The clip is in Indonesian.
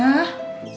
hah salah dia sendiri